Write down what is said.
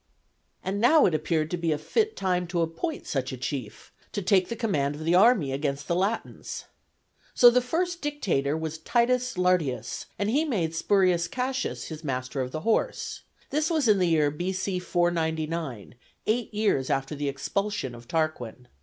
And now it appeared to be a fit time to appoint such a chief, to take the command of the army against the Latins. So the first dictator was T. Lartius, and he made Spurius Cassius his master of the horse. This was in the year B.C. 499, eight years after the expulsion of Tarquin.